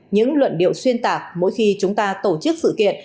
những luận điệu xuyên tạc mỗi khi chúng ta tổ chức sự kiện